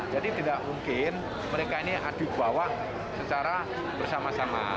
jadi tidak mungkin mereka ini adik bawa secara bersama sama